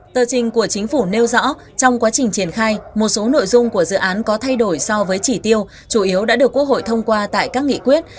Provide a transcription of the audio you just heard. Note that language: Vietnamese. tờ trình của chính phủ nêu rõ trong quá trình triển khai một số nội dung của dự án có thay đổi so với chỉ tiêu chủ yếu đã được quốc hội thông qua tại các nghị quyết